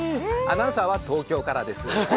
アナウンサーは東京からです。